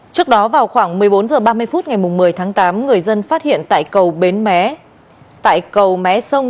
trước đó vào khoảng một mươi bốn h ba mươi phút ngày một mươi tháng tám người dân phát hiện tại cầu mé sông